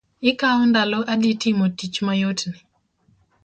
Ikao ndalo adi timo tich mayot ni?